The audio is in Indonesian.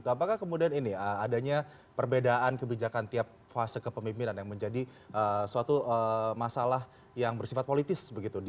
apakah kemudian ini adanya perbedaan kebijakan tiap fase kepemimpinan yang menjadi suatu masalah yang bersifat politis begitu